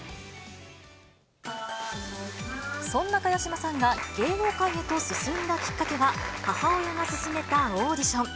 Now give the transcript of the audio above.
そんな茅島さんが、芸能界へと進んだきっかけは、母親が勧めたオーディション。